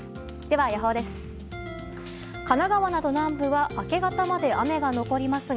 では予報です。